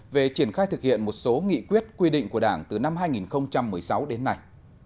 về triển khai thực hiện một số nghị quyết quy định của đảng từ năm hai nghìn một mươi sáu đến nay